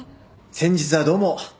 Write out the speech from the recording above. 先日はどうも。